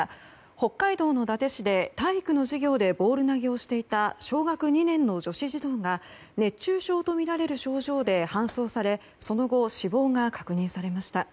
北海道の伊達市で体育の授業でボール投げをしていた小学２年の女子児童が熱中症とみられる症状で搬送されその後、死亡が確認されました。